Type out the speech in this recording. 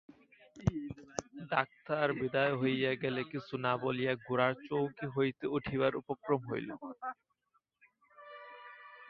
Doctor বিদায় হইয়া গেলে কিছু না বলিয়া গোরা চৌকি হইতে উঠিবার উপক্রম করিল।